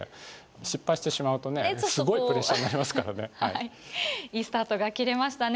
失敗してしまうとねすごいプレッシャーになりますからね。